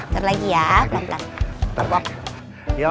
muter lagi ya